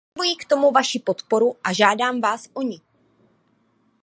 Potřebuji k tomu vaši podporu a žádám vás o ni.